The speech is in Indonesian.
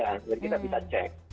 jadi kita bisa cek